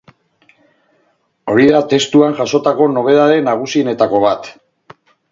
Hori da testuan jasotako nobedade nagusienetako bat.